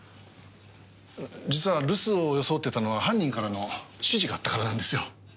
実は留守を装ってたのは犯人からの指示があったからなんですよ。